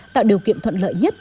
tạo điều kiện thuận lợi nhất